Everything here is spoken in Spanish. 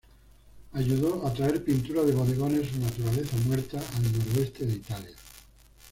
Ayudó a traer pintura de bodegones o naturaleza muerta al noroeste de Italia.